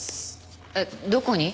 えっどこに？